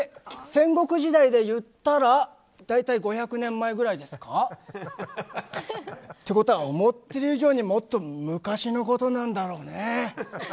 戦国時代で言ったら大体５００年前ぐらいですか？ということは思ってる以上にもっと昔のことなんだろうね。